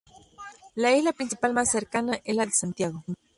La isla principal más cercana es la de Santiago.